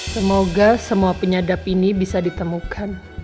semoga semua penyadap ini bisa ditemukan